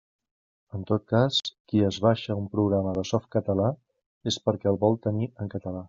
En tot cas, qui es baixa un programa de Softcatalà és perquè el vol tenir en català.